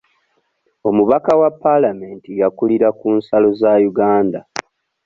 Omubaka wa palamenti yakulira ku nsalo za Uganda.